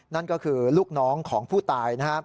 นั่นก็คือลูกน้องของผู้ตาย